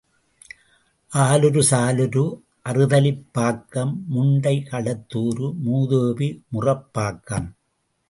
ஆலூரு, சாலுரு, அறுதலிப் பாக்கம், முண்டை களத்துாரு மூதேவி முறப்பாக்கம்.